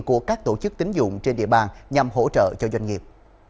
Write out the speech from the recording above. của các tổ chức tính dụng trên địa bàn nhằm hỗ trợ cho doanh nghiệp